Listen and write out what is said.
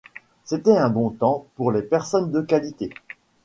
C’était un bon temps pour les personnes de qualité !